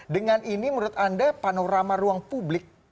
dengan ini menurut anda panorama ruang publik